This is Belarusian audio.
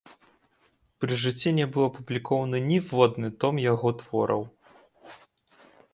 Пры жыцці не быў апублікаваны ніводны том яго твораў.